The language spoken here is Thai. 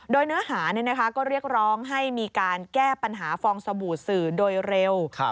โดยเนื้อหาก็เรียกร้องให้มีการแก้ปัญหาฟองสบู่สื่อโดยเร็ว